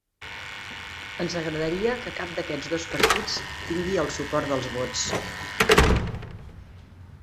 Ens agradaria que cap d'aquests dos partits tingui el suport dels vots